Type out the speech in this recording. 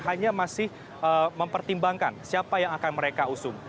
hanya masih mempertimbangkan siapa yang akan mereka usung